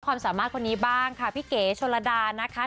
ความสามารถคนนี้บ้างค่ะพี่เก๋ชนระดานะคะ